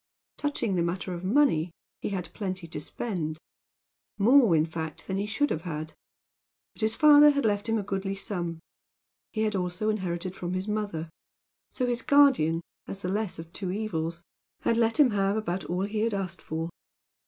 Touching the matter of money, he had plenty to spend; more, in fact, than he should have had, but his father had left him a goodly sum. He had also inherited from his mother, so his guardian, as the less of two evils, had let him have about all he had asked for.